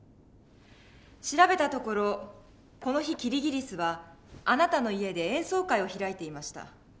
調べたところこの日キリギリスはあなたの家で演奏会を開いていました。